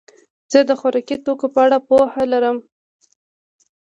زه د خوراکي توکو په اړه پوهه لرم.